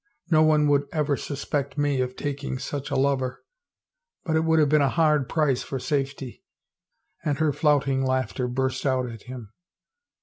No one would ever suspect me of taking such a lover. ... But it would have been a hard price for safety," and her flout ing laughter burst out at him.